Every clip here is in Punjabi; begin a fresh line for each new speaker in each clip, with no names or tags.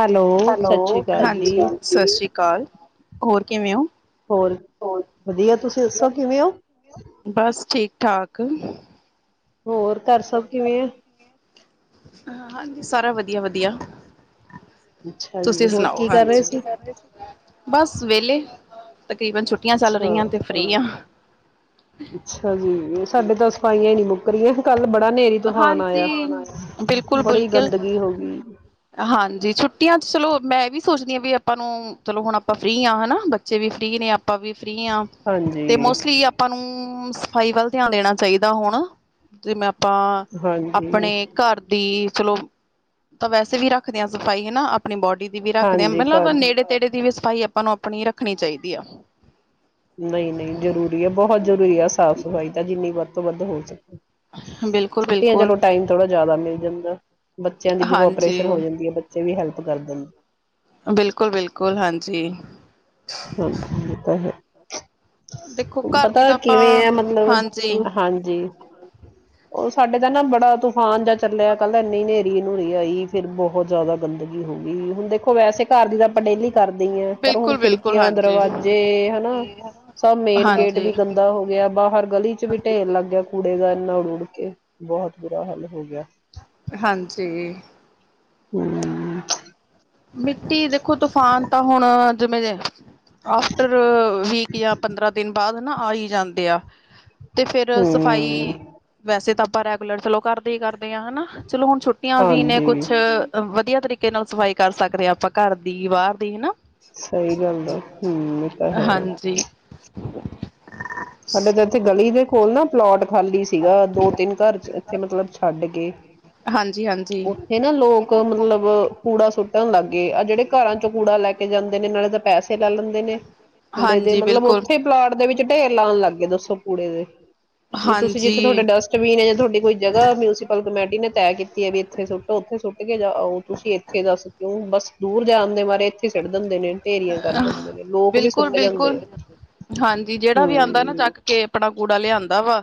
ਹੈਲੋ ਸਤਿ ਸ੍ਰੀ
ਹੈਲੋ
ਅਕਾਲ ਜੀ
ਹਾਂਜੀ ਸਤਿ ਸ੍ਰੀ ਅਕਾਲ ਹੋਰ ਕਿਵੇਂ ੳ
ਹੋਰ ਵਧੀਆ ਤੁਸੀਂ ਦੱਸੋ ਕਿਵੇਂ ੳ
ਠੀਕ-ਠਾਕ
ਹੋਰ ਘਰ ਸਭ ਕਿਵੇਂ ਏ
ਹਾਂਜੀ ਸਾਰਾ ਵਧੀਆ-ਵਧੀਆ
ਅੱਛਾ ਜੀ
ਤੁਸੀਂ
ਹੋਰ
ਸੁਣਾਓ
ਕੀ ਕਰ ਰਹੇ ਸੀ
ਹਾਂਜੀ, ਬਸ ਵੇਹਲੇ ਤਕਰੀਬਨ ਛੁੱਟੀਆਂ ਚੱਲ
ਅੱਛਾ
ਰਹੀਆਂ ਤੇ ਫ੍ਰਰੀ ਆ
ਅੱਛਾ ਜੀ ਸਾਡੇ ਤਾਂ ਸਫਾਈਆਂ ਹੀ ਨਹੀਂ ਮੁੱਕਰੀਆਂ ਕੱਲ ਬੜਾ ਹਨੇਰੀ ਤੂਫਾਨ ਆਇਆ ਬੜੀ
ਬਿਲਕੁਲ-ਬੁਲਕਿਲ,
ਗੰਦਗੀ ਹੋ ਗਈ
ਹਾਂਜੀ ਛੁੱਟੀਆਂ ਚਲੋ ਮੈਂ ਇਹ ਵੀ ਸੋਚਦੀ ਹਾਂ ਵੀ ਆਪਾਂ ਨੂੰ ਚਲੋ ਹੁਣ ਆਪਾਂ ਫਰੀ ਹਾਂ ਹੈਨਾ ਬੱਚੇ ਵੀ ਫ੍ਰਰੀ ਨੇ ਆਪਾਂ ਵੀ ਫ੍ਰਰੀ ਹ ਤੇ
ਹਾਂਜੀ
ਮੋਸਟਲੀ ਆਪਾਂ ਨੂੰ ਸਫ਼ਾਈ ਵੱਲ ਧਿਆਨ ਦੇਣਾ ਚਾਹੀਦਾ ਹੁਣ ਜਿ ਮੈ ਆਪਾਂ
ਹਾਂਜੀ
ਆਪਣੇ ਪੀਰ ਚਲੋ ਤਾਂ ਵੈਸੇ ਵੀ ਰੱਖਦੇ ਹਾਂ ਸਫ਼ਾਈ ਹੈਨਾ ਆਪਣੀ ਬੋਡੀ ਵੀ ਰੱਖਦੇ ਹਾਂ
ਹਾਂਜੀ
ਮਤਲਬ
ਘਰ
ਨੇੜੇ ਤੇੜੇ ਦੀ ਵੀ ਭਾਈ ਆਪਾਂ ਨੂੰ ਆਪਣੀ ਰੱਖਣੀ ਚਾਹੀਦੀ ਐ
ਨਹੀਂ-ਨਹੀਂ ਜ਼ਰੂਰੀ ਹੈ। ਬਹੁਤ ਜ਼ਰੂਰੀ ਆ ਸਾਫ਼ ਸਫ਼ਾਈ ਤਾਂ ਜਿੰਨੀ ਵੱਧ ਤੋਂ ਵੱਧ ਹੋ [unintelligible]
ਬਿਲਕੁਲ
ਛੁੱਟੀਆਂ ਚ
ਬਿਲਕੁਲ
ਚਲੋ ਟਾਈਮ ਥੋੜਾ ਜਿਆਦਾ ਮਿਲ ਜਾਂਦਾ, ਬੱਚਿਆਂ ਦੀ ਵੀ
ਹਾਂਜੀ
ਕੋਪਰੇਸ਼ਨ ਹੋ ਜਾਂਦੀ ਹੈ ਬੱਚੇ ਵੀ ਹੈਲਪ ਕਰ ਦੇਂਨ
ਬਿਲਕੁਲ-ਬਿਲਕੁਲ ਹਾਂਜੀ।
ਹੂੰ ਓ ਤਾਂ ਹੈ।
ਦੇਖੋ ਘਰ ਦੀ
ਪਤਾ
ਤਾਂ
ਕਿਵੇਂ ਆਂ,
ਆਪਾਂ
ਮਤਲਬ
ਹਾਂਜੀ
ਹਾਂਜੀ ਉਹ ਸਾਡੇ ਤਾ ਨਾ ਬੜਾ ਤੂਫਾਨ ਜਹਾ ਚੱਲਿਆ ਕੱਲ ਇਨੀ ਹਨੇਰੀ ਨੂੰਹਰੀ ਆਈ ਫਿਰ ਬਹੁਤ ਜਿਆਦਾ ਗੰਦਗੀ ਹੋ ਗਈ ਹੁਣ ਦੇਖ ਵੈਸੇ ਘਰ ਦੀ ਤਾਂ ਆਪਾਂ ਡੇਲੀ ਕਰਦੇ ਹੀ ਆਂ ਪਰ ਹੁਣ
ਬਿਲਕੁਲ ਬਿਲਕੁਲ
ਖਿੜਕੀ ੀਆਂ
ਹਾਂਜੀ
ਦਰਵਾਜੇ ਹਨਾ ਸਭ ਮੇਨ ਗੇਟ
ਹਾਂਜੀ
ਵੀ ਗੰਦਾ ਹੋ ਗਿਆ ਬਾਹਰ ਗਲੀ ਚ ਵੀ ਢੇਰ ਲੱਗ ਗਿਆ ਕੁੜੀ [unintelligible] ਦਾ ਇੰਨਾ ਉੜ ਉੜ ਕੇ ਬਹੁਤ ਬੁਰਾ ਹੱਲ ਹੋ ਗਿਆ
ਹਾਂਜੀ
ਹਮ
ਮਿੱਟੀ ਦੇਖੋ ਤੂਫਾਨ ਤਾਂ ਹੁਣ ਜਿਵੇਂ ਜੇ ਆਫਟਰ ਵੀਕ ਜਾਂ ਪੰਦਰਾਂ ਦਿਨ ਬਾਅਦ ਨਾ ਆਈ ਜਾਂਦੇ ਆ ਤੇ ਫੇਿਰ ਸਫ਼ਾਈ
ਹਮ
ਵੈਸੇ ਤਾਂ ਆਪ ਰੈਗੂਲਰ ਚਲੋ ਕਰਦੇ ਹੀ ਕਰਦੇ ਹਨਾ ਚਲੋ ਹੁਣ ਛੁੱਟੀਆਂ ਵੀ ਨੇ
ਹਾਂਜੀ
ਕੁਛ ਵਧੀਆ ਤਰੀਕੇ ਨਾਲ ਸਫਾਈ ਕਰ ਸਕਦੇ ਹਾਂ ਆਪਾਂ ਘਰ ਦੀ ਬਾਹਰ ਦੀ ਹਨਾ
ਸਹੀ ਗੱਲ ਆ ਹਮ ਇਹ ਤਾਂ ਹੈ
ਹਾਂਜੀ
ਸਾਡੇ ਤਾਂ ਇੱਥੇ ਗਲੀ ਦੇ ਖੋਲ ਨਾ ਪਲੋਟ ਖਾਲੀ ਸੀਗਾ ਦੋ ਤਿੰਨ ਘਰ ਇੱਥੇ ਮਤਲਬ ਛੱਡ ਕੇ
ਹਾਂਜੀ ਹਾਂਜੀ
ਉੱਥੇ ਨਾ ਲੋਕ ਮਤਲਬ ਕੂੜਾ ਸੁੱਟਣ ਲੱਗ ਗਏ ਆ ਜਿਹੜੇ ਘਰਾਂ ਚੋਂ ਕੂੜਾ ਲੈ ਕੇ ਕੇ ਜਾਂਦੇ ਨੇ ਨਾਲੇ ਤਾਂ ਪੈਸੇ ਲੈ ਲੈਂਦੇ ਨੇ ਕੂੜੇ ਦੇ
ਹਾਂਜੀ
ਮਤਲਬ
ਬਿਲਕੁਲ
ਉੱਥੇ ਪਲਾਟ ਦੇ ਵਿੱਚ ਢੇਰ ਲਾਉਣ ਲੱਗ ਗੇ ਦੱਸੋ ਕੂੜੇ ਦੇ ਵੀ ਤੁਸੀਂ ਜਿੱਥੇ ਤੁਹਾਡਾ
ਹਾਂਜੀ
ਡਸਟਬੀਨ ਹੈ ਜਾਂ ਤੁਹਾਡੀ ਕੋਈ ਜਗ੍ਹਾ ਮਿਪਲ ਕ ਨੇ ਤੈ ਕੀਤੀ ਹੈ ਵੀ ਇੱਥੇ ਸੁੱਟੋ ਉੱਥੇ ਸੁੱਟ ਕੇ ਜਾਓ ਤੁਸੀਂ ਇੱਥੇ ਦੱਸ ਕਿਉਂ ਬਸ ਦੂਰ ਜਾਣ ਦੇ ਬਾਰੇ ਸਿੱੜ ਦਿੰਦੇ ਨੇ ੇਰੀਆਂ ਕਰ ਦਿੰਦੇ ਨੇ ਲੋਕ ਵੀ
ਬਿਲਕੁਲ
ਸੁੱਟ ਜਾਂਦੇ
ਬਿਲਕੁਲ
ਆ
ਹਾਂਜੀ ਜਿਹੜਾ ਵੀ ਆਉਂਦਾ ਨਾ
ਹਮ
ਚੱਕ ਕੇ ਆਪਣਾ ਕੂੜਾ ਲਿਆਂਦਾ ਵਾ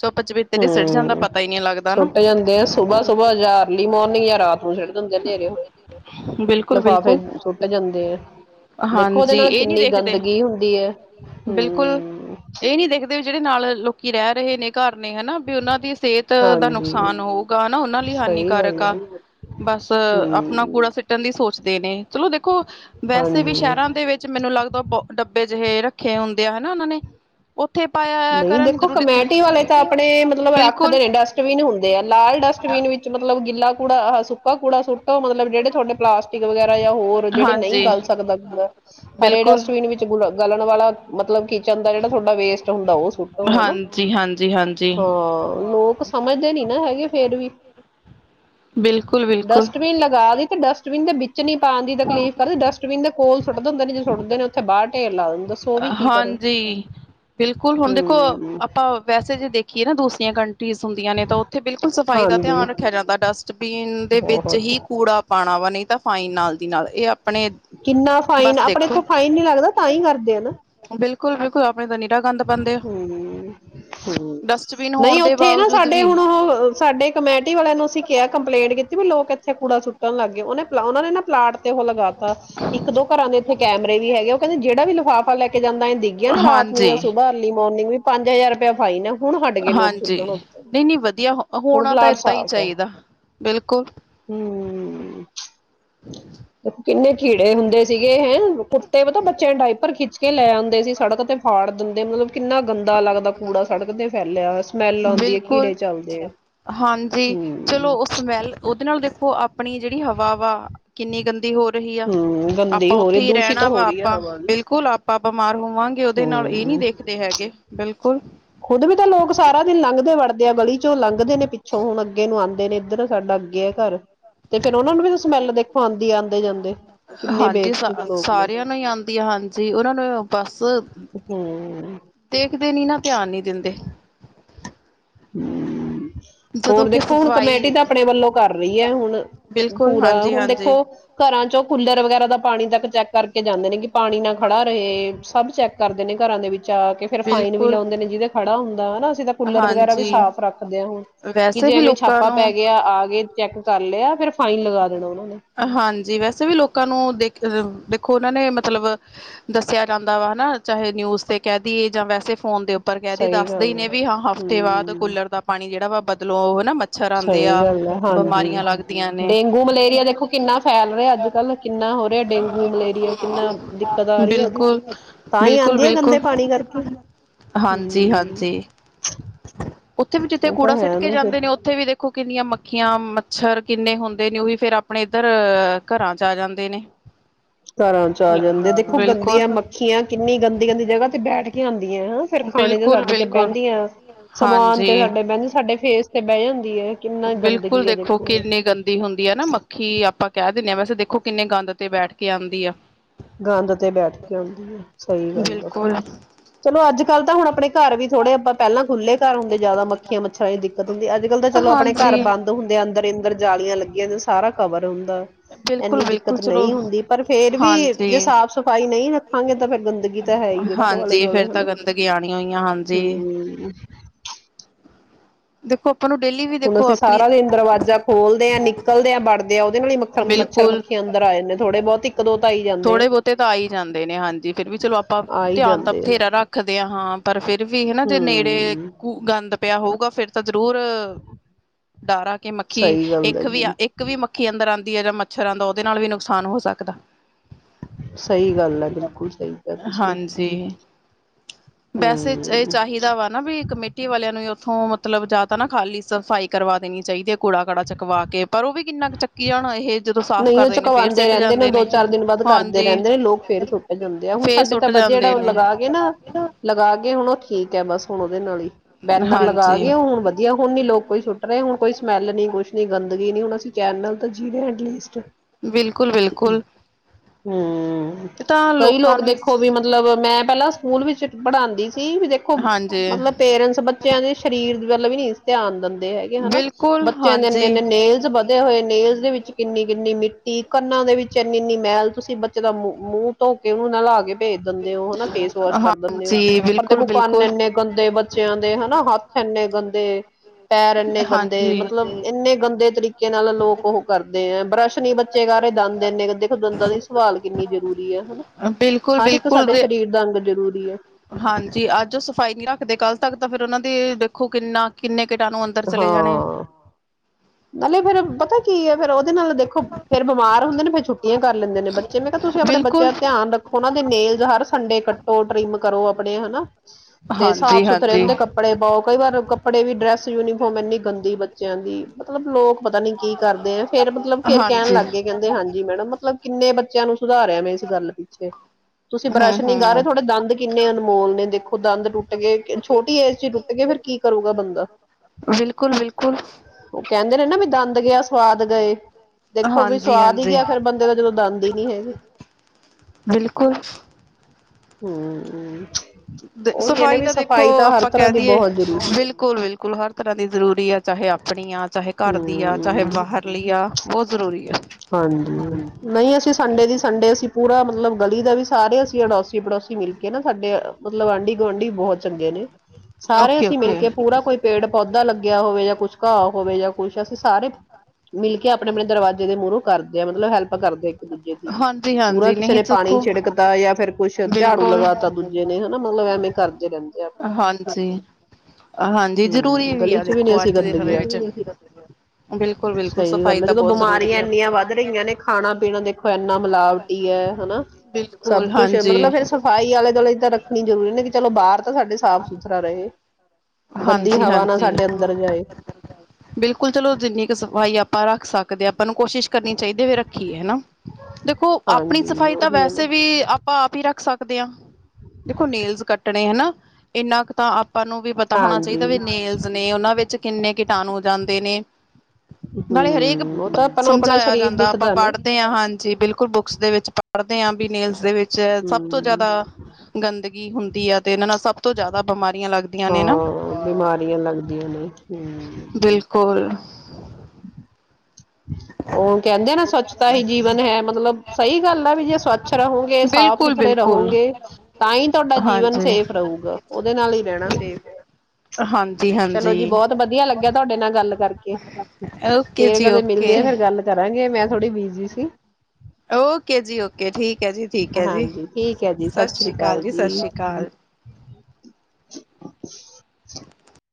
ਚੁੱਪ ਚਪੀਤੇ ਤੇ ਸਿੱਟ ਜਾਂਦਾ
ਹਮ
ਪਤਾ ਹੀ ਨਹੀਂ ਲੱਗਦਾ ਨਾ
ਸੁੱਟ ਜਾਂਦੇ ਆ ਸੁਬਾਹ ਸੁਬਾਹ ਜਾਂ ਅਰਲੀ ਮੋਰਨਿੰਗ ਜਾਂ ਰਾਤ ਨੂੰ ਸਿੱਟ ਦਿੰਦੇ ਆ ਹਨੇਰੇ ਹੋਏ
ਬਿਲਕੁਲ
ਲਿਫਾਫੇ
ਬਿਲਕੁਲ
ਕੱਟ ਜਾਂਦੇ ਆ ਦੇਖੋ ਉਹਦੇ
ਹਾਂਜੀ
ਨਾਲ
ਇਹ ਨੀ
ਕਿੰਨੀ
ਦੇਖਦੇ
ਗੰਦਗੀ ਹੁੰਦੀ ਹੈ
ਬਿਲਕੁਲ
ਹਮ
ਇਹ ਨਹੀਂ ਦੇਖਦੇ ਵੀ ਜਿਹੜੇ ਨਾਲ ਲੋਕੀ ਰਹਿ ਰਹੇ ਨੇ ਘਰ ਨੇ ਹਨਾ ਵੀ ਉਹਨਾਂ ਦੀ ਸਿਹਤ ਦਾ
ਹਾਂਜੀ
ਨੁਕਸਾਨ ਹੋਊਗਾ ਹਨਾ ਉਹਨਾਂ ਲਈ
ਸਹੀ
ਹਾਨੀਕਾਰਕ
ਗੱਲ
ਆ
ਹੈ
ਬਸ ਆਪਣਾ
ਹਮ
ਕੂੜਾ ਸਿੱਟਣ ਦੀ ਸੋਚ ਨੇ ਚਲੋ ਦੇਖੋ ਕੋ ਵੈਸੇ ਕਿਸੇ ਵੀ
ਹਾਂਜੀ
ਸ਼ਹਿਰਾਂ ਦੇ ਵਿੱਚ ਮੈਨੂੰ ਲੱਗਦਾ ਬ ਡੱਬੇ ਜਿਹੇ ਰ ਪਖੇ ਹੁੰਦੇ ਆ ਹਨਾ ਉਹਨਾਂ ਨੇ ਉ
ਨਹੀਂ ਦੇਖੋ ਕਮੇਟੀ ਵਾਲੇ ਤਾਂ ਆਪਣੇ ਮਤਲਬ ਰੱਖਦੇ
ਬਿਲਕੁਲ
ਨੇ ਡਸਟਬਿਨ ਹੁੰਦੇ ਆ ਲਾਲ ਡਸਟਬਿਨ ਵਿੱਚ ਮਤਲਬ ਗਿੱਲਾ ਕੜਾ ਆਹ ਸ ਸੁੱਕ ਕੜ ਸੁਟ ਮਤਲਬ ਜਿਹੜੇ ਤੁਹਾਡੇ ਪਲਾਸਟਿਕ ਵਗੈਰਾ ਜਾਂ ਹੋਰ ਜਿਹੜੇ ਨਹੀਂ
ਹਾਂਜੀ
ਗੱਲ ਸਕਦਾ ਹਦਾ ਹਰੇ
ਬਿਲਕੁਲ
ਡਸਟਬਿਨ ਵਿੱਚ ਗੁ ਗਲ ਵਾਲਾ ਮਤਲਬ ਕਿਚਨ ਦਾ ਜਿਹੜਾ ਤੁਹਾਡਾ ਵੇਸਟ ਹੁੰਦਾ ਉਹ ਸੁੱਟੋ ਹਨਾ
ਹਾਂਜੀ -ਹਾਂਜੀ, ਹਾਂਜੀ।
ਹਾਂ ਲੋਕ ਸਮਝਦੇ ਨੀ ਨਾ ਹੈਗੇ, ਫੇਰ ਵੀ।
ਬਿਲਕੁਲ ਬਿਲਕੁਲ
ਡਸਟਬਿਨ ਲਗਾ ਦੀ, ਤੇ ਡਸਟਬਿਨ ਦੇ ਪਾਣ ਦੀ ਤਕਲੀਫ਼ ਕਰ ਡਸਟਬਿਨ ਹੋਲ [inaudible] ਸੁੱਟ ਹੁੰਦੇ ਨੇ ਜੇ [inaudible] ਸੁੱਟਦੇ ਓਥੇ ਬਾਹਰ ਢੇਰ ਲਾ ਦਿੰਦੇ ਨੇ।
ਹਾਂਜੀ। ਬਿਲਕੁਲ ਹੁਣ ਦੇਖੋ,
ਹਮ
ਆਪਾਂ ਵੈਸੇ ਜੇ ਦੇਖੀਏ ਨਾ ਦੂਸਰੀਆਂ ਕੰਟਰੀਜ਼ ਹੁੰਦੀਆਂ ਨੇ, ਤਾਂ ਉੱਥੇ ਬਿਲਕੁਲ ਸਫ਼ਾਈ ਦਾ
ਹਾਂਜੀ
ਧਿਆਨ ਰੱਖਿਆ ਜਾਂਦਾ ਡਸਟਬੀਨ ਦੇ ਵਿੱਚ
ਬਹੁਤ
ਹੀ ਕੂੜਾ ਪਾਣਾਵਾ, ਨਹੀਂ ਤਾਂ ਫਾਈਨ ਨਾਲ ਦੀ ਨਾਲ ਇਹ ਆਪਣੇ
ਕਿੰਨਾ ਫਾਈਨ?
ਬਸ
ਆਪਣੇ
ਦੇਖੋ
ਇੱਥੋਂ ਫਾਈਨ ਨੀ ਲੱਗਦਾ, ਤਾਂ ਹੀ ਕਰਦੇ ਦੇ ਨਾ [inaudible]
ਬਿੱਲਕੁਲ ਕੁਲ [inaudible]
ਹ ਹਮ
ਡਸਟਬਿਨ ਹੋਣ
ਨਹੀਂ
ਦੇ
ਉੱਥੇ ਨਾ
ਬਾਵਜੂਦ
ਸਾਡੇ
ਵੀ
ਹੁਣ ਉਹ ਸਾਡੇ ਕਮੇਟੀ ਵਾਲਿਆਂ ਨੂੰ ਅਸੀਂ ਕਿਹਾ, ਕੰਪਲੇਂਟ ਕੀਤੀ ਵੀ ਲੋਕ ਇੱਥੇ ਕੂੜਾ ਸੁੱਟਣ ਲੱਗ ਗਏ, ਉਹਨੇ ਉਹਨਾ ਨੇ ਨਾ ਪਲਾਟ [inaudible] ਉਹ ਲਗਾਤਾ ਇੱਕ ਦੋ ਘਰਾਂ ਦੇ ਇੱਥੇ ਕੈਮਰੇ ਵੀ ਹੈਗੇ, ਉਹ ਕਹਿੰਦੇ ਜਿਹੜਾ ਵੀ ਲਿਫਾਫਾ ਲੈ ਕੇ ਜਾਂਦਾ ਦਿੱਖ ਗਿਆ ਨਾ ਰਾਤ ਜਾਂ
ਹਾਂਜੀ।
ਸੁਬਾਹ ਅਰਲੀ ਮੋਰਨਿੰਗ ਵੀ ਪੰਜ -ਹਜ਼ਾਰ ਰੁਪਇਆ। ਫਾਈਨ ਹੈ ਹੁਣ ਹਟ ਗਏ ਲੋਕ
ਹਾਂਜੀ,
ਸੁੱਟਣ ਉੱਤੇ
ਨਹੀਂ -ਨਹੀਂ ਵਧੀਆ
ਹੁਣ
ਹੋਣਾ ਤਾਂ
ਪਲਾਟ
ਏਦਾਂ ਹੀ
ਸਾਫ਼ ਹੈ
ਚਾਹੀਦਾ। ਬਿਲਕੁਲ।
ਹੂੰ ਕਿੰਨੇ ਕੀੜੇ ਹੁੰਦੇ ਸੀਗੇ ਹੈਂ, ਕੁੱਤੇ ਪਤਾ ਬੱਚਿਆਂ ਦੇ ਡਾਇਪਰ ਖਿੱਚ ਕੇ ਲੈ ਆਉਂਦੇ ਸੀ, ਸੜਕ ਤੇ ਫਾੜ ਦਿੰਦੇ ਮਤਲਬ, ਕਿੰਨਾ ਗੰਦਾ ਲੱਗਦਾ ਕੂੜਾ ਸੜਕ ਤੇ ਫੈਲਿਆ, ਸਮੈਲ ਆਉਂਦੀ ਹੈ
ਬਿਲਕੁਲ
ਕੀੜੇ ਚੱਲਦੇ ਆ।
ਹਾਂਜੀ ਚਲੋ
ਹਮ
ਉਹ ਸਮੈਲ ਉਹਦੇ ਨਾਲ ਦੇਖੋ ਆਪਣੀ ਜਿਹੜੀ ਹਵਾ ਵਾ ਕਿੰਨੀ ਗੰਦੀ ਹੋਰ ਰਹੀ ਆ
ਹਮ ਗੰਦੀ
ਆਪਾਂ
ਹੋ
ਉੱਥੇ
ਰਹੀ
ਹੀ
ਦੂਸ਼ਿਤ
ਰਹਿਣਾ
ਹੋ
ਵਾ,
ਰਹੀ ਹੈ
ਆਪਾਂ
ਹਵਾ ਵੀ
ਬਿਲਕੁਲ ਆਪ ਆਪਾਂ ਬਿਮਾਰ [inaudible] ਾਂਗੇ ਉਹਦੇ ਨਾਲ ਇਹ ਨੀ
ਹਮ
ਦੇਖ [inaudible] ਹੈਗੇ ਬਿਲਕੁਲ।
ਖੁਦ ਵੀ ਤਾਂ ਲੋਕ ਸਾਰਾ ਦਿਨ ਲੰਘਦੇ ਵੜਦੇ ਆ, ਗਲੀ ਚੋਂ। ਲੰਘ ਦੇ ਪਿੱਛੋ ਹੁਣ ਅੱਗੇ ਨੂੰ ਆਉਂ ਦਿਨ ਇੱਧਰ ਸਾਡਾ ਅੱਗੇ ਆ ਘਰ [inaudible] ਤੇ ਫਿਰ ਉਹਨਾ ਨੂੰ ਵੀ ਤਾਂ ਸਮੈਲ ਦੇਖੋ ਆਉਂਦੀ, ਆਉਂਦੇ- ਜਾਂਦੇ ਕਿੰਨੇ
ਹਾਂਜੀ ਸਾ
ਬੇਵਕੂਫ਼ ਲੋਕ ਨੇ
ਸਾਰਿਆਂ ਨੂੰ ਹੀ ਆਉਂਦੀ ਆ ਹਾਂਜੀ ਉਹਨਾਂ ਨੂੰ ਬਸ
ਹਮ।
ਦੇਖਦੇ ਨੀ ਨਾ ਧਿਆਨ ਨਹੀਂ ਦਿੰਦੇ।
ਹਮ
ਜਦੋਂ
ਹੋਰ
ਕਿ
ਦੇਖੋ ਹੁਣ ਕਮੇਟੀ
ਸਫ਼ਾਈ
ਤਾਂ ਆਪਣੇ ਵੱਲੋਂ ਕਰ ਰਹੀ ਹੈ ਹੁਣ
ਬਿਲਕੁਲ
ਪੂਰਾ
ਹਾਂਜੀ
ਹੁਣ ਦੇਖੋ
ਹਾਂਜੀ
ਘਰਾਂ ਚੋਂ ਕੂਲਰ ਵਗੈਰਾ ਦਾ ਪਾਣੀ ਤੱਕ ਚੈੱਕ ਕਰਕੇ ਜਾਂਦੇ ਨੇ ਕਿ ਪਾਣੀ ਨਾ ਖੜਾ ਰਹੇ ਸਭ ਚੈੱਕ ਕਰਦੇ ਨੇ ਘਰਾਂ ਦੇ ਵਿੱਚ ਚਾ ਕੇ ਫਿਰ ਫਾਈਨ ਵੀ
ਬਿਲਕੁਲ
ਲਾਉਦੇ ਨੇ ਜਿਹਦੇ ਖੜਾ ਹੁੰਦਾ ਹਨਾ ਅਸੀਂ ਤਾਂ ਕੂਲਰ ਵਗੈਰਾ ਵੀ
ਹਾਂਜੀ
ਸਾਫ਼ ਰੱਖਦੇ ਆ ਹੁਣ। ਕਿ
ਵੈਸੇ
ਜੇ
ਵੀ
ਐਵੇਂ
ਲੋਕਾਂ
ਛਾਪਾ ਪੈ
ਨੂੰ
ਗਿਆ ਆ ਗ ਚੈੱਕ ਕਰ ਲਿਆ ਫ਼ੇਰ
ਹਾਂਜੀ, ਵੈਸੇ ਵੀ ਲੋਕਾਂ ਨੂੰ ਦੇਖ ਉਹਨਾਂ ਨੇ ਮਤਲਬ ਦੱਸਿਆ ਜਾਂਦਾ ਵਾ ਹਨਾ ਚਾਹੇ ਨਿਊਜ਼ ਤੇ ਕਹਿ ਦੇਈਏ ਜਾਂ ਵੈਸੇ ਫੋਨ ਦੇ ਉੱਪਰ ਕਹਿ ਦ
ਸਹੀ
ਦੱਸਦੇ ਹੀ
ਗੱਲ ਹੈ
ਨੇ ਵੀ ਹਾਂ ਹਫ਼ਤੇ ਬਾਅਦ
ਹਮ
ਕੂਲਰ ਦਾ ਪਾਣੀ ਜਿਹੜਾ ਵਾ ਬਦਲੋਂ ਉਹ। ਮੱਛਰ ਆਉਂਦੇ
ਸਹੀ
ਆ।
ਗੱਲ ਹੈ ਹਾਂਜੀ
ਬਿਮਾਰੀਆਂ ਲੱਗਦੇ
ਡੇਂਗੂ, ਮਲੇਰੀਆ ਦੇਖੋ ਕਿੰਨਾ ਫੈਲ ਰਿਹਾ। ਅੱਜ ਕੱਲ ਕਿੰਨਾ ਹੋ ਰਿਹਾ ਡੇਂਗੂ, ਮਲੇਰੀਆ ਕਿੰਨਾ ਦਿੱਕਤ ਆ ਰਹੀ ਹੈ। ਉਹਦੀ
ਬਿਲਕੁਲ,
ਤਾਂ ਹੀ ਆਉਂਦੀ ਹੈ ਗੰਦੇ
ਬਿਲਕੁਲ-ਬਿਲਕੁਲ।
ਪਾਣੀ ਕਰਕੇ। ਹੂੰ।
ਹਾਂਜੀ-ਹਾਂਜੀ, ਉੱਥੇ ਵੀ ਜਿੱਥੇ ਕੂੜਾ ਸਿੱਟ ਕੇ ਜਾਂਦੇ ਨੇ ਉੱਥੇ ਵੀ ਦੇਖੋ ਕਿੰਨੀਆਂ ਮ ਮਖੀਆਂ, ਮੱਛਰ। ਕਿੰਨੇ ਹੁੰਦੇ ਨੇ ਉਹ ਵੀ ਫੇਰ ਆਪ ਆਪਣੇ ਇੱਧਰ ਘਰਾਂ ਚ ਆ ਜਾਂਦੇ ਨੇ।
ਘਰਾਂ ਚ ਆ ਜਾਂਦੇ। ਦੇਖੋ
ਬਿਲਕੁਲ,
ਗੰਦੀਆਂ ਮੱਖੀਆਂ ਕਿੰਨੀ ਗੰਦੀ ਗੰਦੀ ਜਗ੍ਹਾ ਤੇ ਬੈਠ ਕੇ ਆਉਂਦੀਆਂ। ਫੇਰ ਖਾਣੇ ਤੇ ਸਾਡੇ ਤੇ
ਬਿਲਕੁਲ-ਬਿਲਕੁਲ
ਬਹਿੰਦੀਆਂ ਸਮਾਨ ਤੇ
ਹਾਂਜੀ।
ਸਾਡੇ ਬਹਿੰਦੀ ਸਾਡੇ ਫੇਸ ਤੇ ਬਹਿ ਜਾਂਦੀ ਹੈ। ਕਿੰਨਾ ਗੰਦਗੀ ਆ ਦੇਖੋ। ਇਹ
ਕਿੰਨੀ ਗੰਦੀ ਹੁੰਦੀ ਹੈ ਨਾ ਮੱਖੀ ਆਪਾਂ ਕਹਿ ਦਿੰਨੇ ਆ ਵੈਸੇ ਦੇਖੋ ਕਿੰਨੇ ਗੰਦ ਤੇ ਬੈਠ ਕੇ ਆਉਂਦੀ ਆ।
ਗੰਦ ਤੇ ਬੈਠ ਕੇ ਆਉਂਦੀ ਆ ਸਹੀ ਗੱਲ ਆ
ਬਿਲਕੁਲ। ਘਰ
ਚਲੋ ਅੱਜ ਕੱਲ ਤਾਂ ਹੁਣ ਆਪਣੇ ਘਰ ਵੀ ਥੋੜੇ ਆਪਾਂ ਪਹਿਲਾਂ ਖੁੱਲ੍ਹੇ ਘਰ ਹੁੰਦੇ। ਜਿਆਦਾ ਮੱਖੀਆਂ ਮੱਛਰਾਂ ਦੀ ਦਿੱਕਤ ਹੁੰਦੀ। ਅੱਜ ਕੱਲ ਤਾਂ ਚਲੋ ਆਪਣੇ ਘਰ
ਹਾਂਜੀ,
ਬੰਦ ਹੁੰਦੇ ਆ। ਅੰਦਰ ਅੰਦਰ। ਜਾਲੀਆਂ ਲੱਗੀਆਂ ਤੇ ਸਾਰਾ ਕਵਰ ਹੁੰਦਾ। ਇਨੀ
ਬਿਲਕੁਲ-ਬਿਲਕੁਲ
ਦਿੱਕਤ
ਚਲੋ
ਨਹੀਂ ਹੁੰਦੀ ਪਰ ਫੇਰ ਵੀ ਜੇ
ਹਾਂਜੀ।
ਸਾਫ਼ ਸਫ਼ਾਈ ਨਹੀਂ ਰੱਖਾਂਗੇ ਤਾਂ ਫੇਰ ਗੰਦਗੀ ਤਾਂ ਹੈ ਹੀ ਦੇਖੋ ਆਲੇ
ਹਾਂਜੀ
ਦੁਆਲੇ
ਫੇਰ ਤਾਂ
ਹਨਾ।
ਗੰਦਗੀ ਆਣੀ ਹੋਈਆਂ ਹਾਂਜੀ।
ਹੂੰ।
ਦੇਖੋ। ਨੂੰ ਡੇਲੀ ਵੀ
ਹੁਣ
ਦੇਖੋ
ਅਸੀਂ
ਆਪਣੀ
ਸਾਰਾ ਦਿਨ ਦਰਵਾਜ਼ਾ ਖੋਲਦੇ ਹਾਂ, ਨਿਕਲਦੇ ਆ, ਵੜਦੇ ਆ। ਉਹਦੇ ਨਾਲ ਹੀ ਮਰ ਮੱਛਰ
ਬਿਲਕੁਲ।
ਮੱਖੀਆਂ ਅੰਦਰ ਆ ਜਾਂ ਨੇ ਥੋੜ੍ਹੇ ਬਹੁਤ ਹੀ
ਥੋੜੇ ਬਹੁਤੇ ਤਾਂ ਆ ਹੀ ਜਾਂਦੇ ਨੇ। ਹਾਂਜੀ ਫੇਿਰ ਵੀ ਚਲੋ ਆਪਾਂ
ਆ ਹੀ
ਧਿਆਨ ਤਾਂ
ਜਾਂਦੇ ਆ
ਬਥੇਰਾ ਰੱਖਦੇ ਹਾਂ ਹਾਂ। ਪਰ ਫਿਰ ਵੀ ਹਨਾ ਜੇ ਨੇੜੇ
ਹੂੰ
ਗੰਦ ਪਿਆ ਹੋਊ। ਫਿਰ ਤਾਂ ਜ਼ਰੂਰ ਡਾਰਾ ਕੇ ਮੱਖੀ
ਸਹੀ ਗੱਲ ਹੈ
ਇੱਕ ਵੀ
ਜੀ
ਇੱਕ ਵੀ ਮੱਖੀ ਅੰਦਰ ਆਂ ਹੈ ਜਾਂ ਮੱਛਰਾਂ ਦਾ ਉਹਦੇ ਨਾਲ ਵੀ ਨੁਕਸਾਨ ਹੋ ਸਕਦਾ।
ਸਹੀ ਗੱਲ ਹੈ ਬਿਲਕੁਲ ਸਹੀ ਕਿਹਾ ਤੁਸੀਂ
ਹਾਂਜੀ, ਵੈਸੇ ਇਹ
ਹਮ
ਚਾਹੀਦਾ ਵਾ ਨਾ ਵੀ ਕਮੇਟੀ ਵਾਲਿਆਂ ਨੂੰ ਉੱਥੋਂ ਮਤਲਬ ਜ਼ਿਆਦਾ ਨਾ ਖਾਲੀ ਸਫ਼ਾਈ ਕਰਵਾ ਦੇਣੀ ਚਾਹੀਦੀ ਹੈ। ਕੂੜਾ ਕੜਾ ਚਕਵਾ ਕੇ ਪਰ ਉਹ ਵੀ ਕਿੰਨਾ ਕੁ ਚੱਕੀ ਜਾਣਾ ਇਹ ਜਦੋਂ ਸਾਫ਼
ਨਹੀਂ ਉਹ
ਕਰਦੇ ਨੇ ਫੇਰ
ਚੁਕਵਾਉਂਦੇ
ਸਿੱਟ
ਰਹਿੰਦੇ
ਜਾਂਦੇ ਨੇ।
ਦੋ ਚਾਰ ਦਿਨ ਬਾਅਦ ਕਰਦੇ
ਹਾਂਜੀ
ਰਹਿੰਦੇ ਨੇ ਲੋਕ ਫੇਰ ਸੁੱਟ ਜਾਂਦੇ ਆ। ਹੁਣ
ਫੇਰ
ਸਾਡੇ ਤਾਂ
ਸੁੱਟ
ਵਧੇ ਜੇਹੜਾ
ਜਾਂਦੇ
ਉਹ
ਨੇ
ਲਗਾ ਗਏ ਨਾ ਲਗਾ ਗਏ ਹੁਣ ਉਹ ਠੀਕ ਹੈ, ਬਸ ਹੁਣ ਉਹਦੇ ਨਾਲ ਹੀ। ਬੈਨਰ ਲਗਾ
ਹਾਂਜੀ
ਗਏ ਉਹ ਹੁਣ ਵਧੀਆ ਹੁਣ ਨੀ ਲੋਕ ਕੋਈ ਸੁੱਟ ਰਹੇ ਹੁਣ ਕੋਈ ਸਮੈਲ ਨੀ ਕੁਛ ਨੀ ਗੰ ਗੰਦਗੀ ਨੀ ਹੋਣਾ ਸੀ। ਕੈਨਲ ਤਾਂ ਜੀਰੇ ਐਟਲੀਸਟ।
ਬਿਲਕੁਲ-ਬਿਲਕੁਲ।
ਹੂੰ। ਕਈ ਲੋਕ ਦੇਖੋ ਵੀ ਮਤਲਬ ਮੈਂ ਪਹਿਲਾਂ ਸਕੂਲ ਵਿੱਚ ਪੜਾਂਦੀ ਵੀ ਦੇਖੋ
ਹਾਂਜੀ
ਮਤਲਬ ਪੇਰੈਂਟਸ ਬੱਚਿਆਂ ਦੇ ਸ਼ਰੀਰ ਮਤਲਬ ਵੀ ਨੀ ਧਿਆਨ ਦਿੰਦਾ। ਹੈਗੇ ਹਨਾ।
ਬਿਲਕੁਲ
ਬੱਚਿਆਂ ਦੇ
ਹਾਂਜੀ
ਇੰਨੇ-ਇੰਨੇ ਨੇਲਜ਼ ਵਦ ਹੋਏ ਨੇਲ ਦੇ ਵਿੱਚ ਕਿੰਨੀ ਕਿੰਨੀ ਮਿੱ ਕੰਨਾਂ ਦੇ ਵਿੱਚ ਇੰਨੀ-ਇੰਨੀ ਮੈਲ ਤੁਸੀਂ ਬੱਚੇ ਦਾ ਮੂੰਹ ਧੋ ਕੇ ਉਹਨੂੰ ਨਹਲਾਕੇ ਭੇਜ ਦਿੰਦੇ ਹੋ ਹਨਾ। ਫੇਸ ਵਾਸ਼ ਕਰ ਦਿੰਨੇ ਹੋ,
ਹਾਂਜੀ
ਪਰ
ਬਿਲਕੁਲ
ਦੇਖੋ ਕੰਨ
ਬਿਲਕੁਲ
ਇੰਨੇ ਗੰਦੇ ਬੱਚਿਆਂ ਦੇ ਹਨਾ। ਹੱਥ ਇੰਨੇ ਗੰਦੇ। ਪੈਰ ਇੰਨੇ ਗੰਦੇ
ਹਾਂਜੀ
ਮਤਲਬ ਇੰਨੇ ਗੰਦੇ ਤਰੀਕੇ ਕੇ ਨਾਲ ਲੋਕ ਉਹ ਕਰਦੇ ਹੈ। ਬਰੱਸ਼ ਨੀ ਬੱਚੇ ਗ ਰਹੇ ਦੰਦ ਇੰਨੇ ਦੇਖੋ ਦੰਦਾਂ ਦੀ ਸੰਭਾਲ ਕਿੰਨੀ ਜ਼ਰੂਰੀ ਹੈ ਹਨਾ।
ਬਿਲਕੁਲ
ਹਰ ਇੱਕ
ਬਿਲਕੁਲ
ਸਾਡੇ
ਦੇ
ਸਰੀਰ ਦਾ ਅੰਗ ਜ਼ਰੂਰੀ ਹੈ।
ਹਾਂਜੀ ਅੱਜ ਉਹ ਸਫ਼ਾਈ ਨਹੀਂ ਰੱਖਦੇ ਕੱਲ੍ਹ ਤੱਕ ਤਾਂ ਫਿਰ ਉਹਨਾਂ ਦੇ ਦੇਖੋ ਕਿੰਨਾ ਕਿੰਨੇ ਕੀਟਾਣੂ ਅੰਦਰ ਚਲੇ ਜਾਣੇ ਆ
ਹਾਂ, ਨਾਲੇ ਫੇਰ ਪਤਾ ਕੀ ਹੈ ਫੇਰ ਉਹਦੇ ਨਾਲ ਦੇਖੋ ਫੇਰ ਬਿਮਾਰ ਹੁੰਦੇ ਨੇ ਫੇਿਰ ਛੁੱਟੀਆਂ ਕਰ ਲੈਂਦੇ ਨੇ ਬੱਚੇ। ਮੈਂ ਕਿਹਾ ਤੁਸੀਂ ਆਪਣੇ
ਬਿਲਕੁਲ
ਬੱਚਿਆਂ ਦਾ ਧਿਆਨ ਰੱਖੋ ਉਹਨਾਂ ਦੇ ਨੇਲ ਹਰ ਸੰਡੇ ਕੱਟੋ ਟ੍ਰਿਮ ਕਰੋ। ਅਪਣੇ ਹਨਾ। ਤੇ ਸਾਫ
ਹਾਂਜੀ
ਸੁਥਰੇ ਹੁੰਦੇ ਕੱਪੜੇ
ਹਾਂਜੀ
ਪਾਓ ਕਈ ਵਾਰ ਕੱਪੜੇ ਵੀ ਡਰੈਸ ਯੂਨੀਫਾਰਮ ਇੰਨੀ ਗੰਦੀ ਬੱਚਿਆਂ ਦੀ। ਮਤਲਬ ਲੋਕ ਪਤਾ ਨੀ ਕੀ ਕਰਦੇ ਆ। ਫੇਰ ਮਤਲਬ ਫੇਰ ਕਹਿਣ
ਹਾਂਜੀ।
ਲੱਗ ਗਏ ਕਹਿੰਦੇ ਹਾਂਜੀ ਮੈਡਮ ਮਤਲਬ ਕਿੰਨੇ ਬੱਚਿਆਂ ਨੂੰ ਸੁਧਾਰਿਆ, ਮੈਂ ਇਸ ਗੱਲ ਪਿੱਛੇ। ਤੁਸੀਂ
ਹੂੰ
ਬਰੱਸ਼ ਨਹੀਂ ਕਰ ਰਹੇ
ਹੂੰ।
ਥਹਾਡੇ ਦੰਦ ਕਿੰਨੇ ਅਨਮੋਲ ਨੇ ਦੇਖੋ ਦੰਦ ਟੁੱਟ ਗਏ ਛੋਟੀ ਏਜ ਚ ਅਗੇ ਫਿਰ ਕੀ ਕਰੂਗਾ ਬੰਦਾ।
ਬਿਲਕੁਲ-ਬਿਲਕੁਲ।
ਉਹ ਕਹਿੰਦੇ ਨੇ ਨਾ ਵੀ ਦੰਦ ਗਿਆ ਸਵਾਦ ਗਏ। ਦੇਖੋ ਵੀ
ਹਾਂਜੀ
ਸੁਵਾਦ ਹੀ
ਹਾਂਜੀ।
ਗਿਆ ਫੇਰ ਬੰਦੇ ਦਾ ਜਦੋਂ ਦੰਦ ਹੀ ਨਹੀਂ ਹੈਗੇ।
ਬਿਲਕੁਲ
ਹੂੰ। ਉਹੀ ਹੈ ਨਾ
ਸਫ਼ਾਈ
ਵੀ
ਤਾਂ ਦੇਖੋ
ਸਫਾਈ ਤਾਂ ਹਰ
ਆਪਾਂ
ਤਰ੍ਹਾਂ
ਕਹਿ
ਦੀ
ਦਈਏ
ਬਹੁਤ
ਬਿਲਕੁਲ,
ਜ਼ਰੂਰੀ
ਬਿਲਕੁਲ। ਬਿਲਕੁਲ, ਹਰ ਤਰ੍ਹਾਂ ਦੀ ਜ਼ਰੂਰੀ ਆ ਚਾਹੇ ਆਪਣੀ ਆ। ਚਾਹੇ
ਹੈ
ਘਰ ਦੀ ਆ, ਚਾਹੇ
ਹੂੰ
ਬਾਹਰ ਲਈ ਆ, ਬਹੁਤ ਜ਼ਰੂਰੀ ਆ।
ਹਾਂਜੀ ਨਹੀਂ ਅਸੀਂ ਸੰਡੇ ਦੀ ਸੰਡੇ ਅਸੀਂ ਪੂਰਾ ਮਤਲਬ ਕਰੀ ਦਾ ਵੀ ਸਾਰੇ ਅਸੀਂ ਅੜੋਸੀ ਪੜੋਸੀ ਮਿਲ ਕੇ ਨਾ ਸਾਡੇ ਮਤਲਬ ਆਂਢੀ ਗੁਆਂਢੀ ਬਹੁਤ ਚੰਗੇ ਨੇ ਸਾਰੇ
ਓਕੇ
ਅਸੀਂ ਮਿਲ
ਓਕੇ।
ਕੇ ਪੂਰਾ ਕੋਈ ਪੇੜ ਪੌਦਾ ਲੱਗਾ ਗਿਆਿ ਹੋਵੇ ਜਾਂ ਕੁਛ ਘਾਹ ਹੋਵੇ ਜਾਂ ਕੁਛ ਅਸੀਂ ਸਾਰੇ ਮਿਲ ਕੇ ਆਪਣੇ ਆਪਣੇ ਦਰਵਾਜ਼ੇ ਦੇ ਮੂਰੋ ਕਰਦੇ ਆ ਮਤਲਬ ਹੈਲਪ ਕਰਦੇ
ਹਾਂਜੀ
ਪੂਰਾ
ਹਾਂਜੀ
ਕਿਸੇ
ਨਹੀਂ
ਨੇ ਪਾਣੀ
ਦੇਖੋ
ਛਿੜਕਤਾ ਜਾਂ ਫਿਰ ਕੁਛ ਝਾੜੂ
ਬਿਲਕੁਲ
ਲਗਾਤਾ ਦੂਜੇ ਨੇ ਹਨਾ ਮਤਲਬ ਐਵੇਂ ਕਰਦੇ ਰਹਿੰਦੇ ਆ
ਹਾਂਜੀ ਹਾਂਜੀ ਜਰੂਰੀ
ਹੂੰ
ਵੀ
ਗਲੀ
ਆ
ਚ ਨੀ
ਦੇਖੋ
ਅਸੀਂ
ਅੱਜ ਦੇ
ਗੰਦਗੀ
ਸਮੇ ਵਿੱਚ
ਰੱਖਦੇ
ਬਿਲਕੁਲ ਬਿਲਕੁਲ
ਸਹੀ
ਸਫਾਈ
ਗੱਲ ਹੈ
ਤਾਂ
ਜਦੋਂ
ਬਹੁਤ ਜ਼ਰੂਰੀ
ਬਿਮਾਰੀਆਂ
ਆ
ਇੰਨੀਆਂ ਵੱਧ ਰਹੀਆਂ ਨੇ ਖਾਣਾ ਪੀਣਾ ਦੇਖੋ ਐਨਾ ਮਿਲਾਵਟੀ ਹੈ ਹੈ ਨਾ ਸਭ
ਬਿਲਕੁਲ
ਕੁੱਛ
ਹਾਂਜੀ
ਮਤਲਬ ਫੇਰ ਸਫ਼ਾਈ ਆਲੇ ਦੁਆਲੇਦ ਤਾ ਰੱਖ ਨਹੀ ਜ਼ਰੂਰੀ ਨੀ ਕਿ ਚਲੋ ਬਾਹਰ ਤਾਂ ਸਾਡੇ ਸਾਫ਼ ਸੁਥਰਾ ਰਹੇ ਗੰਦੀ
ਹਾਂਜੀ
ਹਵਾ ਨਾ
ਹਾਂਜੀ
ਸਾਡੇ ਅੰਦਰ ਜਾਏ
ਬਿਲਕੁਲ ਚਲੋ ਜਿੰਨੀ ਕੀ ਸਫ਼ਾਈ ਆਪਾਂ ਰੱਖ ਸਕਦੇ ਹਾਂ ਆਪਾਂ ਨੂੰ ਕੋਸ਼ਿਸ਼ ਕਰਨੀ ਚਾਹੀਦੀ ਵੀ ਰੱਖੀਏ ਹੈ ਨਾ ਦੇਖੋ ਆਪਣੀ
ਹਾਂਜੀ
ਸਫ਼ਾਈ ਤਾਂ
ਉਹੀ ਹੈ ਨਾ
ਵੈਸੇ ਵੀ ਆਪਾਂ ਆਪ ਹੀ ਰੱਖ ਸਕਦੇ ਦੇ ਦੇਖੋ ਨੇੇਲਜ਼ ਕੱਟਣੇ ਹਨਾ ਇੰਨਾ ਕ ਤਾਂ ਆਪ ਆਪਾਂ ਨੂੰ ਵੀ ਪਤਾ ਹੋਣਾ ਚਾਹੀਦਾ
ਹਾਂਜੀ
ਵੀ ਨੇੇਲਜ਼ ਨੇ ਉਹਨਾਂ ਵਿੱਚ ਕਿੰਨੇ ਸ਼ਾਨ ਹੋ ਜਾਂਦੇ ਨੇ ਨਾਲੇ ਹਰੇਕ
ਹੂੰ ਉਹ ਤਾਂ ਆਪਾਂ ਨੂੰ ਆਪਣਾ
ਸਮਝਾਇਆ
ਸਰੀਰ
ਜਾਂਦਾ ਆਪਾਂ
ਦਿਖਦਾ ਨਾ
ਪੜ੍ਹਦੇ ਹਾਂ ਹਾਂਜੀ ਬਿਲਕੁਲ ਬੁੱਕਸ ਦੇ ਵਿੱਚ ਪੜਦੇ ਆ ਵੀ ਨੇੇਲਸ ਦੇ ਵਿੱਚ ਚ ਸਭ ਤੋਂ
ਹੂੰ
ਜਿਆਦਾ ਗੰਦਗੀ ਹੁੰਦੀ ਹੈ ਤੇ ਨਾਲ ਸਭ ਤੋਂ ਜ਼ਿਆਦਾ ਬਿਮਾ
ਹਾਂ ਬਿਮਾਰੀਆਂ ਲੱਗਦੀਆਂ ਨੇ ਹਮ
ਬਿਲਕੁਲ
ਉਹ ਕਹਿੰਦੇ ਨਾ ਸਵੱਛਤਾ ਹੀ ਜੀਵਨ ਹੈ ਮਤਲਬ ਸਹੀ ਗੱਲ ਆ ਵੀ ਜੇ ਸਵੱਛ ਰਹੋਗੇ
ਵੀ
ਸਾਫ
ਬਿਲਕੁਲ
ਸੁਥਰੇ
ਬਿਲਕੁਲ
ਰਹੋਗੇ ਤਾਂ ਹੀ ਤੁਹਾਡਾ ਜੀਵਨ
ਹਾਂਜੀ।
ਸੇਫ ਰਹੂਗਾ ਉਹਦੇ ਨਾਲ ਹੀ ਰਹਿਣਾ ਸੇਫ ਹੈ
ਹਾਂਜੀ
ਚਲੋ
ਹਾਂਜੀ
ਜੀ ਬਹੁਤ ਵਧੀਆ ਲੱਗਿਆ ਤੁਹਾਡੇ ਨਾਲ ਗੱਲ ਕਰਕੇ
ਓਕੇ
ਫੇਰ
ਜੀ ਓਕੇ।
ਗੱਲ ਕਰਾਂਗੇ ਮੈਂ ਥੋੜੀ ਬਿਜੀ ਜੀ ਸੀ
ਓਕੇ ਜੀ ਓਕੇ ਠੀਕ ਹੈ ਜੀ ਠੀਕ ਹੈ ਜੀ ਸਤਿ ਸ੍ਰੀ ਅਕਾਲ ਜੀ ਸਤਿ ਸ਼੍ਰੀ ਅਕਾਲ
[unintelligible]